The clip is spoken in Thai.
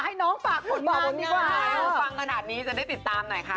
อยู่ฟังขนาดนี้จะได้ติดตามหน่อยค่ะ